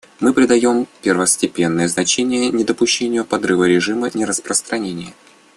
Мы придаем первостепенное значение недопущению подрыва режима нераспространения.